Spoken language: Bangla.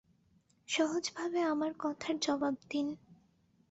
সহজভাবে আমার কথার জবাব দিন।